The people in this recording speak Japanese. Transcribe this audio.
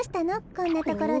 こんなところで。